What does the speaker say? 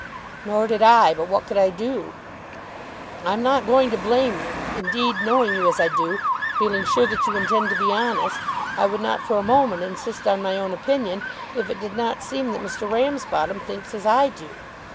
"Nor did I. But what could I do?" "I'm not going to blame you. Indeed, knowing you as I do, feeling sure that you intend to be honest, I would not for a moment insist on my own opinion, if it did not seem that Mr. Ramsbottom thinks as I do.